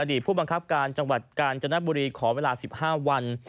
ผู้บังคับการจังหวัดกาญจนบุรีขอเวลา๑๕วัน